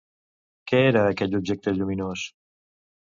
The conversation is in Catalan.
Què era aquell objecte lluminós?